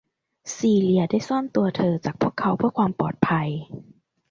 ซีเลียได้ซ่อนตัวเธอจากพวกเขาเพื่อความปลอดภัย